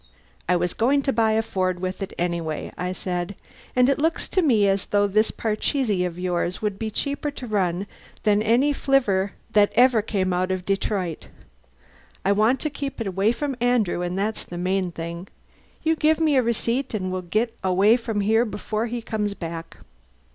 "I was going to buy a Ford, anyway," I said, "and it looks to me as though this parcheesi of yours would be cheaper to run than any flivver that ever came out of Detroit. I want to keep it away from Andrew and that's the main thing. You give me a receipt and we'll get away from here before he comes back."